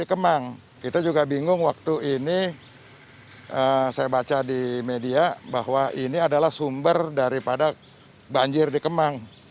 di kemang kita juga bingung waktu ini saya baca di media bahwa ini adalah sumber daripada banjir di kemang